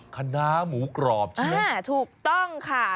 คณะหมูกรอบใช่มั้ยอ่าถูกต้องค่ะ